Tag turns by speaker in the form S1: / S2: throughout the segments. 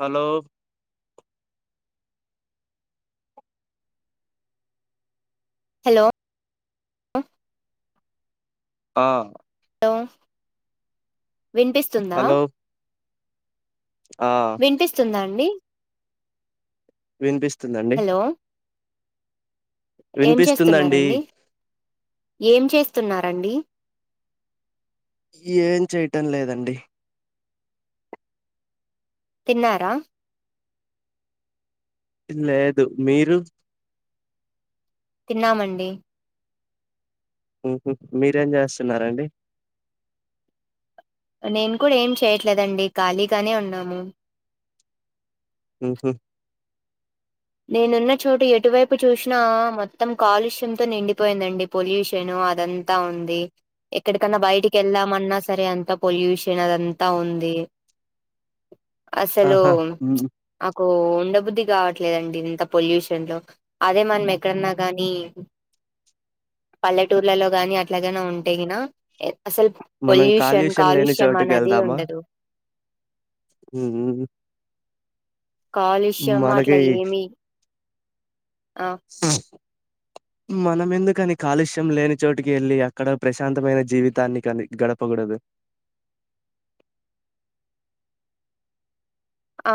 S1: Hello
S2: hello
S1: ఆ
S2: అ వినిపిస్తుందా
S1: హలో ఆ
S2: స్తుందా అండి
S1: వినిపిస్తుందండి వినిపిస్తుందండి
S2: ఏంచేస్తున్నారండి ఏంచేస్తున్నరండి
S1: ఏం చేయ్యటం లేదండి
S2: తిన్నారా
S1: లేదు మీరు
S2: తిన్నామండి
S1: ఉహు మీరేం చేస్తున్నారండి
S2: నేను కూడా ఏం చేయ్యట్లేదండి ఖాళీగానే ఉన్నాము
S1: ఉహు
S2: నేనున్న చోటు ఎటువైపు చూసినా మొత్తం కాలుష్యంతో నిండిపోయిందండి పొల్యూషను అదంతా ఉంది ఎక్కడికన్నా బయటికెల్దామన్నా సరే అంత పొల్యూషన్ అదంతా ఉంది అసలు
S1: ఆహా ఉమ్,
S2: నాకు ఉండబుద్ధి కాబట్ కే అండి ఇంత పొల్యూషన్ లో అదే మనం ఎక్కడన్నా గాని పల్లెటూర్లలో గానీ అట్లాగనా ఉంటే గినా అసల్
S1: మనం
S2: పొల్యూషన్
S1: కాలుష్యం లేని చోటుకి
S2: కాలుష్యమనదే ఉండదు
S1: ఉ హుహు
S2: కాలుష్యం అట్లా
S1: మనకి
S2: ఏమి ఆ
S1: మనం ఎందుకని కాలుష్యం లేని చోటుకి వెళ్ళి అక్కడ ప్రశాంతమైన జీవితాన్ని కానీ గడప్ పకూడదు
S2: ఆ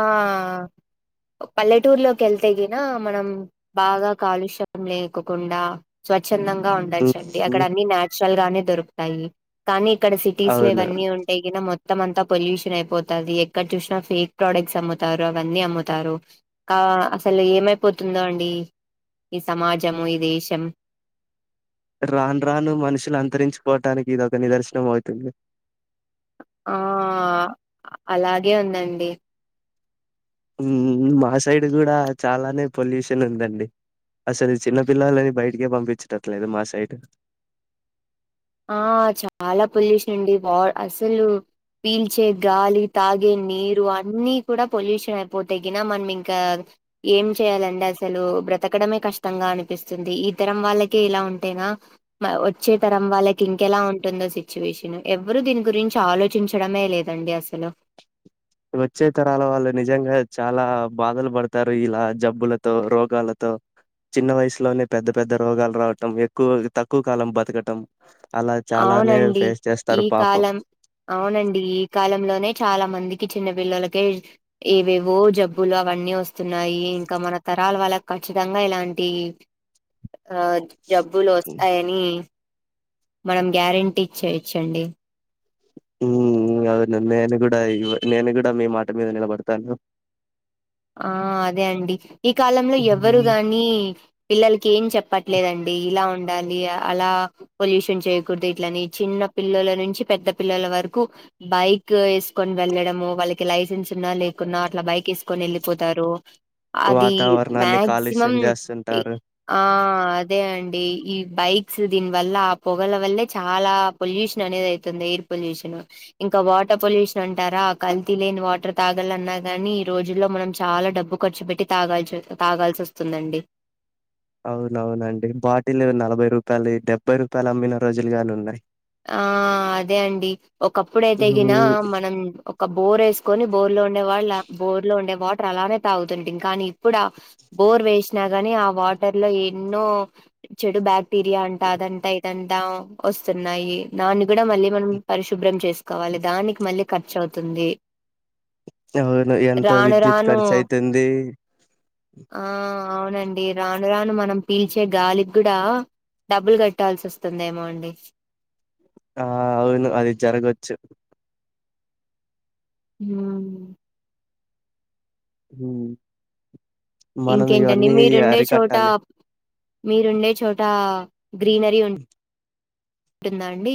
S2: పల్లెటూరులోకి ఎల్తెగిన మనం బాగా కాలుష్యం లేకకుండా స్వచ్ఛందంగా ఉంట
S1: ఉమ్,
S2: డొచ్చండి అక్కడ
S1: ఉమ్,
S2: అన్నిచురల్ గానే దొరుకుతాయి కానీ ఇక్కడ సిటీస్ లో
S1: అవును
S2: ఇవన్న ఉ ఎగినా మొత్తం అంతా పొల్యూషన్ అయిపోతాది ఎక్కడ చూసినా ఫేక్ ప్రోడక్ట్స్ అమ్ముతారు అవన్నీ అమ్ముతారు కా అసలు ఏమైపోతుందో అండి ఈ సమాజము ఈ దేశం
S1: రాను రాను మనుషులు అంతరించు పోవటానికి ఇది ఒక నిదర్శనం అవుతుంది
S2: ఆ అలాగే ఉందండి
S1: మ్మ్ మా సైడ్ కూడా చాలానే పొల్యూషన్ ఉందండి అసలు ఈ చిన్న పిల్లలని బయటికే పంపించటట్లేదు మా సైడ్
S2: ఆ చాలా పొల్యూషన్ అండి వార్ అసలు పీల్చే గాలి తాగే నీరు అన్నిీ కూడా పొల్యూషన్ అయిపోతేగిన మనం ఇంకా ఏం చేయాలండి అసలు బ్రతకడమే కష్టంగా అనిపిస్తుంది ఈతరం వాళ్ళకే ఇలా ఉంటేనా వచ్చే తరం వాళ్ళకి ఇంకెలా ఉంటుందో సిచ్యువేషన్ ఎవరు దీని గురించి ఆలోచించడమే లేదండి అసలు
S1: వచ్చే తరాల వాళ్ళు నిజంగా చాలా బాధలు పడతారు ఇలా జబ్బులతో రోగాలతో చిన్న వయసులోనే పెద్ద పెద్ద రోగాలు రావటం ఎక్కువ తక్కువ కాలం బతకటం అలా చాలానే
S2: అవునండి
S1: ఫేస్
S2: ఈ
S1: చేస్తారు పాపం
S2: కాలం అవునండి ఈ కాలంలోనే చాలా మందికి చిన్న పిల్లలకే ఏవేవో జబ్ బలు అవన్నీ వస్తున్నాయి ఇంకా మన తరాల వాళ్ళకి కచ్చితంగా ఇలాంటి ఆ జబ్బులు వస్తాయని మనం గ్యారెంటీ ఇచ్చేయచ్చండి
S1: ఉమ్ అవును నేను గూడా నేను కూడా మీ మాట మీద నిలబడతాను
S2: ఆ అదే అండి ఈ కాలంలో ఎవరు గాని పిల్లలకి ఏం చెప్పట్లేదండి ఇలా ఉ ఉండాలి అలా పొల్యూషన్ చేయకూడదు ఇట్లని చిన్న పిల్లల నుంచి పెద్ద పిల్లల వరకు బైక్ వేసుకొని వెళ్ళడము వాళ్ళకి లైసెన్స్ ఉన్నా లేకున్నా అట్లా బైక్ వేసు కొని వెళ్ళిపోతారు అది
S1: వాతావరణాన్ని
S2: మక్సిమం
S1: కాలుష్యం చేస్తుంటారు
S2: ఆ అదే అండి ఈ బైక్స్ దీని వల్ల ఆ పొగల వల్లే చాలా పొల్యూషన్ అనేది అయితుంది ఎయిర్ పొల్యూషన్ ఇంకా వాటర్ పొల్యూషన్ అంటారా కల్తీ లేని వాటర్ తాగలన్నా కాని ఈ రోజుల్లో మనం చాలా డబ్బు ఖర్చు పెట్టి తాగాల్సి తాగాల్సి వస్తుందండి
S1: అవునవునండి బాటిలు నలభై రూపాయలు డెబ్బై రూపాయలు అమ్మిన రోజులు గానీ ఉన్నాయి
S2: ఆ అదే అండి ఒకప్పుడైతే గినా
S1: ఉమ్
S2: మనం ఒక బోర్ వేసుకొని బోర్ లో ఉండే వాళ్ళ బోర్ లో ఉండే వాటర్ అలానే తాగుతుంటీమి కానీ ఇప్పుడ బోర్ వేసినా గాని ఆ వాటర్ లో ఎన్నో చెడు బాక్టీరియా అంటా అదంతా ఇదంతా వస్తుంది ఉన్నాయి దాన్ని కూడా మళ్ళీ మనం పరిశుభ్రం చేసుకోవాలి దానికి మళ్ళీ ఖర్చు అవుతుంది
S1: అవును ఎంత
S2: రాను
S1: విద్యుత్
S2: రాను
S1: ఖర్చుయితుంది
S2: ఆ అవునండి రాను రాను మనం పీల్చే గాలికి కూడా డబ్బులు కట్టాల్సి వస్తుందేమో అండి
S1: ఆ అవును అది జరగచ్చు
S2: మ్మ్
S1: మ్మ్
S2: ఇంకేంటండి మీరు వుండే చోట మీరుండే చోట గ్రీనరీ ఉ ఉంటుందా అండి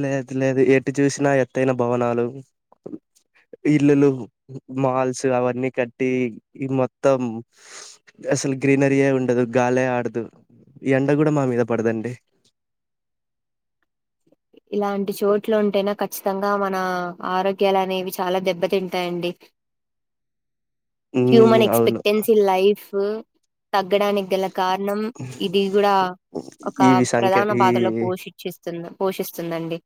S1: లేదు లేదు ఎటు చూసినా ఎత్తైన భవనాలు ఇల్లులు మాల్స్ అవన్నీ కట్టి ఈ మొత్తం అసలు గ్రీనరీయే ఉండదు గాలి ఆడదు ఎండ కూడా మా మీద పడదండి
S2: ఇలాంటి చోట్లు ఉంటేనా కచ్చితంగా మన ఆరోగ్యాలు అనేవి చాలా దెబ్బతింటాయిండి హ్యూమన్
S1: మ్మ్ అవును
S2: ఎక్స్పెక్టెన్సీ లైఫ్ తగ్గడానికి గల కారణం ఇది కూడా ఒక
S1: ఇవి సంఖ్య
S2: ప్రధాన
S1: ఈ
S2: పాత్రలో పోషించిస్తుంది పోషిస్తుందండి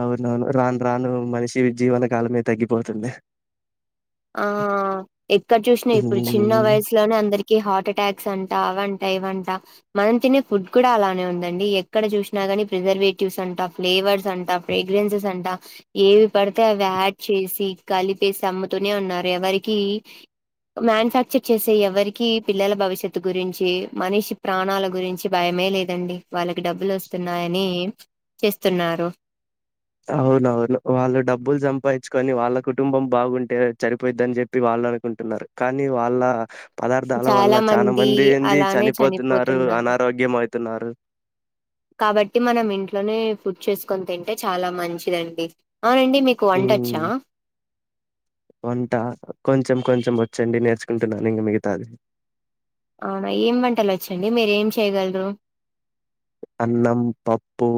S1: అవునవును రాను రాను మనిషి జీవనకాలమే తగ్గిపోతుంది
S2: ఆ ఎక్కడ చూసినా ఇప్పుడు చిన్న
S1: మ్మ్
S2: వయసు లోనే అందరికి హార్ట్ అటాక్స్ అంట అవంటా ఇవంట మనం తినే ఫుడ్ కూడా అలానే ఉందండి ఎక్కడ చూసినా గానీ ప్రిజర్వేటివ్స్ అంటా ఫ్లేవర్స్ అంటా ఫ్రేగ్రెన్సెస్ అంట ఏవి పడితే అవి యాడ్ చేసి కలిపేసి అమ్ము తునే ఉన్నారు ఎవరికి మ్యానుఫ్యాక్చర్ చేసే ఎవరికి పిల్లల భవిష్యత్తు గురించి మనిషి ప్రాణాల గురించి భయమే లేదండి వాళ్ళకి డబ్బులు వస్తున్నాయని చేస్తున్నారు
S1: అవునవును వాళ్ళు డబ్బులు సంపాదించుకొని వాళ్ళ కుటుంబం బాగుంటే సరిపోయిద్దని చెప్ ప్పి వాళ్ళు అనుకుంటున్నారు కానీ వాళ్ళ పదార్థాల వల్ల చాలా మంది ఏంది చనిపోతున్నారు అనారోగ్య అవుతున్నారు
S2: కాబట్టి మనం ఇంట్లోనే ఫుడ్ చేసుకొని తింటే చాలా మంచిదండి అవునండి మీకు వంట వచ్చా
S1: హ్మ్. వంట కొంచెం కొంచెం వచ్చండి నేర్చుకుంటున్నాను ఇంగ మిగతాది
S2: అవునా ఏం వంటలు వచ్చండి మీరు ఏం చేయగలరు
S1: అన్నం పప్పు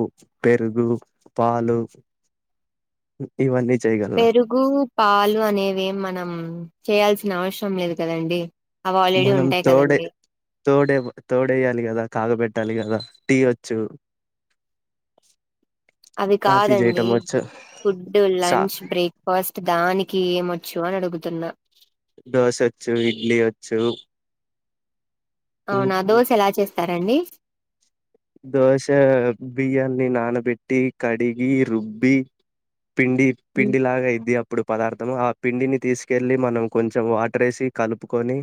S1: పెరుగు పాలు ఇవన్ని చేయగలను
S2: గు పాలు అనేవి మనం చేయాల్సిన అవసరం లేదు కదండి అవి ఆల్రెడీ
S1: మనం
S2: ఉంటాయి
S1: తోడే
S2: కదండి
S1: తోడే తోడేయాలి గదా కాగబెట్టాలి కదా టీ వచ్చు
S2: అవి
S1: కాఫీ
S2: కాదండి
S1: జేయటం వచ్చు,
S2: ఫుడ్డు
S1: సా
S2: లంచ్ బ్రేక్ ఫస్ట్ దానికి ఏమొచ్చు అని అడుగుతున్నా
S1: దోసోచ్చు ఇడ్లీ వచ్చు
S2: అవునా దోశ ఎలా చేస్తారండి
S1: దోశ బియ్యాన్ని నానబెట్టి కడిగి రుబ్బి పిండి
S2: హ్మ్.
S1: పిండి లాగా అయిద్ధిఅ ఇప్పుడు పదార్థము ఆ పిండిని తీసుకెళ్ళలి మనం కొంచెం వాటర్ వేసి కలుపుకొని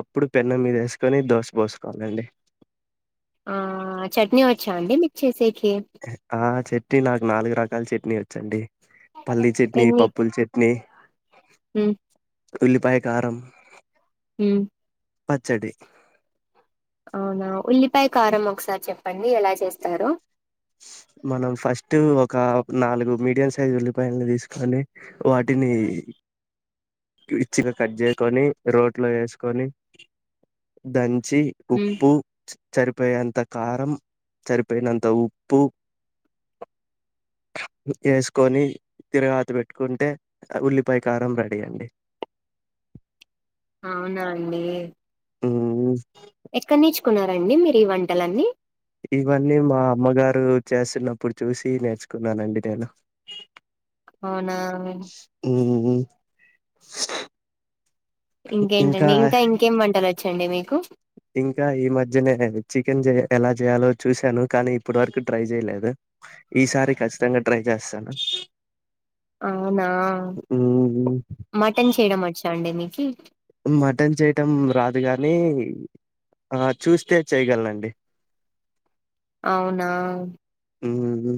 S1: అప్పుడు పెనం మీద వేసుకొని దోస పోసుకోవాలండి
S2: ఆ చట్నీ వచ్చా అండి మీకు చేసేకి
S1: ఆ చట్నీ నాకు నాలుగు రకాల చట్నీ వచ్చండి పల్లీ చట్నీ పప్పుల చట్ ట్ని
S2: మ్మ్
S1: ఉల్లిపాయ కారం
S2: మ్మ్
S1: పచ్చడి
S2: అవునా ఉల్లిపాయ కారం ఒకసారి చెప్పండి ఎలా చేస్తారో
S1: మనం ఫస్ట్ ఒక నాలుగు మీడియం సైజ్ ఉల్లిపాయల్ని తీసుకొని వాటిని ఇచ్చిగా కట్ చేకొని రోట్లో వేసుకొని దంచి
S2: హ్మ్.
S1: ఉప్పు సరిపోయినంత కారం చరిపోయినంత ఉప్పు ఏస్కొని తిరాగాతి పెట్టుకుంటే ఉల్లిపాయ కారం రెడీ అండి
S2: అవన అండీ
S1: మ్మ్
S2: ఎక్కడ నేర్చుకున్నారండి మీరు ఈ వంటలన్నీ
S1: ఇవన్నీ మా అమ్మగారు చేస్తున్నప్పుడు చూసి నేర్చుకున్నానండి నేను
S2: ఔనా
S1: మ్మ్
S2: ఇంకేంటండి ఇంకా ఇంకేం వంటలు వచ్చండి మీకు
S1: ఇంకా ఈ మధ్యనే చికెన్ జే ఎలా చేయాలో చూశాను కానీ ఇప్పుడు వరకు ట్రై చేయ్లేదు ఈసారి ఖచ్చితంగా ట్రై చేస్తాను
S2: అవునా
S1: ఉమ్మ్
S2: మటన్ చేయడం వచ్చా అండి మీకి
S1: మటన్ చేయటం రాదు గానీ ఆ చూస్తే చేయ్యగలనండి
S2: ఔనా?
S1: ఉమ్మ్ ఊ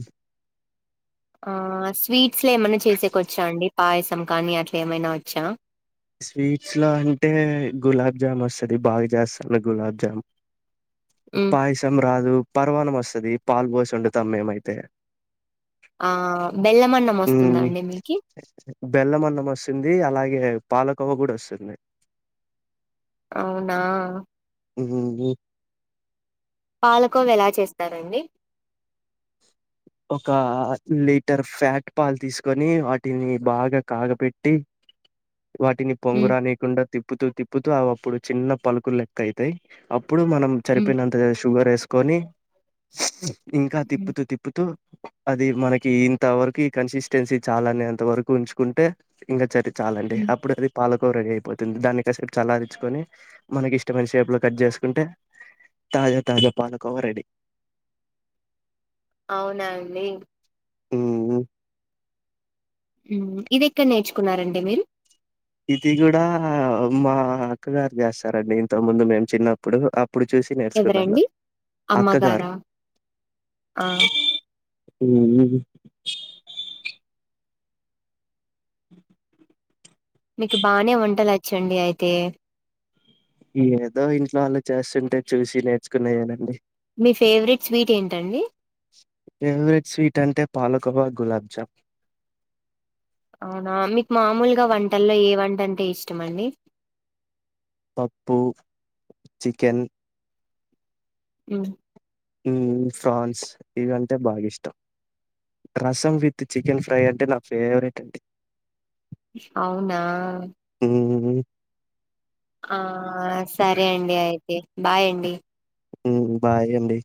S2: ఆ స్వీట్స్ లో ఏమన్నా చేసేకి వచ్చా అండి పాయసం కానీ అట్లా ఏమైనా వచ్చా?
S1: స్వీట్స్ ల అంటే గులాబ్ జామ్ వస్తది బాగా చేస్తను గులాబ్ జామ్
S2: హ్మ్.
S1: పాయసం రాదు పర్వానం ఓస్తాది పాలు పోసి వండుతాం మేమైతే
S2: ఆ బెల్లమన్నం ఓస్తుందాండి మీకు
S1: బెల్లమన్నం వస్తుంది అలాగే పాలకువ కూడా వస్తుంది
S2: ఔనా?
S1: ఉమ్మ్ హూ
S2: పాలకోవ ఎలా చేస్తారండి?
S1: ఒక లీటర్ ఫ్యాట్ పాల్ తీసుకొని వాటిని బాగా కాగపెట్టి వాటిని
S2: మ్మ్
S1: పొంగురానీకుండా తిప్పుతూ తిప్పుతూ అవి అప్పుడు చిన్న పలుకులు లెక్క అవుతాయ్ అప్పుడు మనం
S2: మ్మ్
S1: చరిపోయ్నంత షుగర్ వేసుకొని ఇంకా
S2: మ్మ్
S1: తిప్పుతూ తిప్పుతూ అది మనకి ఇంత వరకు ఈ కన్సిస్టెన్సీ చాలా అనేంత వరకు ఉంచుకుంటే ఇంకా చరి చాలండి
S2: మ్మ్
S1: అప్పుడు అది పాలకూ రెడీ ఐ పోతుంది దాన్ని కాసేపు చలారిచ్చుకొని మనకి ఇష్టమైన షేప్ లో కట్ చేసుకుంటే తాజా తాజా పాలకోవ రెడి
S2: అవునా అండి
S1: మ్మ్ ఊ
S2: ఉమ్ ఇదేక్కడ నేర్చుకున్నారండి మీరు?
S1: ఇది గూడా మా అక్కగారు చేస్తారండి ఇంత ముందు మేము చిన్నప్పుడు అప్ ఇప్పుడు చూసి నేర్చుకున్నాను
S2: ఎవరండి
S1: అక్కగారు
S2: అమ్మగారా ఆ
S1: ఉమ్ ఊ
S2: మీకు బానే వంటలు వచ్చండి అయితే
S1: ఏదో ఇంట్లో అలా చేస్తుంటే చూసి నేర్చుకున్నాయేనండి
S2: మీ ఫేవరెట్ స్వీట్ ఏంటండి?
S1: ఫేవరెట్ స్వీట్ అంటే పాలకోవా, గులాబ్జామ్
S2: అవునా మీకు మామూలుగా వంటల్లో ఏ వంట అంటే ఇష్టం అండి?
S1: పప్పూ, చికెన్
S2: ఉమ్
S1: ఉమ్ ఫ్రాన్స్ ఇగంతే బాగా ఇష్టం రసం విత్ చికెన్ ఫ్రై అంటే నా ఫేవరెట్ అండి
S2: ఔనా?
S1: ఉమ్మ్
S2: ఆ సరే అండి అయితే బాయ్ అండి
S1: ఉమ్ బాయ్ అండి